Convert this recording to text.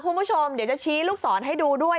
คุณผู้ชมเดี๋ยวจะชี้ลูกศรให้ดูด้วย